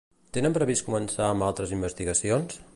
Tenen previst començar amb altres investigacions?